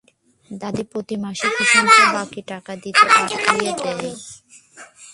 দাদি প্রতি মাসে কিষাণকে বাকি টাকা নিতে পাঠিয়ে দেয়।